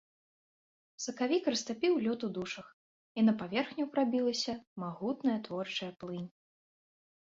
Сакавік растапіў лёд у душах, і на паверхню прабілася магутная творчая плынь.